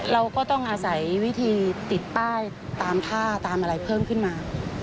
เราก็ต้องอาศัยวิธีติดป้ายตามท่าตามอะไรเพิ่มขึ้นมา